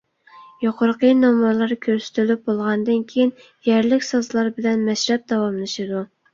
يۇقىرىقى نومۇرلار كۆرسىتىلىپ بولغاندىن كېيىن يەرلىك سازلار بىلەن مەشرەپ داۋاملىشىدۇ.